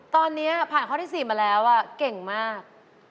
ตอนนี้ผ่านข้อที่๔มาแล้วเก่งมาก